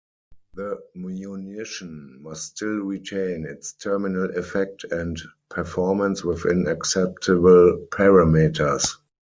The munition must still retain its terminal effect and performance within acceptable parameters.